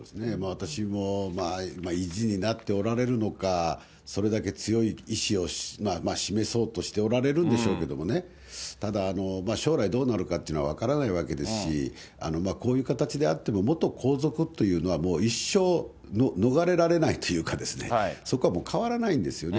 私も意地になっておられるのか、それだけ強い意思を示そうとしておられるんでしょうけれどもね、ただ将来、どうなるかっていうのは分からないわけですし、こういう形であっても、元皇族というのは、もう一生逃れられないというか、そこはもう変わらないんですよね。